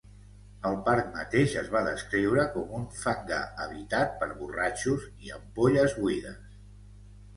El parc mateix es va descriure com un "fangar habitat per borratxos i ampolles buides".